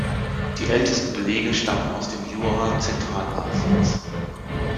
Die ältesten Belege stammen aus dem Jura Zentralasiens.